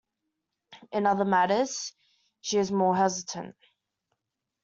In other matters, she is more hesitant.